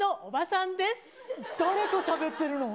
誰としゃべってるの？